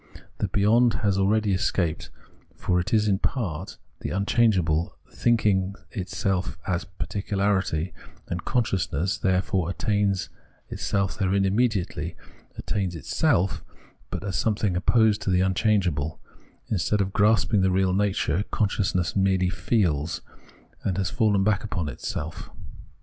The ' beyond ' has aheady escaped, for it is in part the un changeable, thinking itself as particularity, and con sciousness, therefore, attains itself therein immediately, — attains itself, but as something opposed to the un changeable ; instead of grasping the real nature, consciousness merely feels, and has fallen back upon itself.